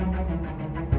iya tunggu tunggu